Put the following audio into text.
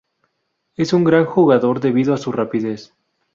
Es un gran jugador debido a su rapidez.